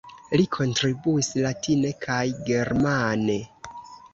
Li kontribuis latine kaj germane.